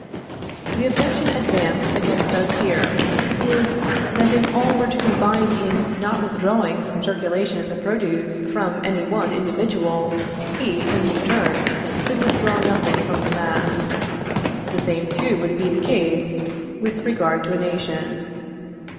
The objection advanced against us here, is, that if all were to combine in not withdrawing from circulation the produce from any one individual, he, in his turn, could withdraw nothing from the mass. The same, too, would be the case with regard to a nation.